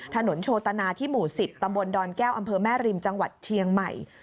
โชตนาที่หมู่๑๐ตำบลดอนแก้วอำเภอแม่ริมจังหวัดเชียงใหม่